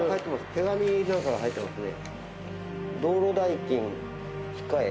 手紙なんかが入ってますね。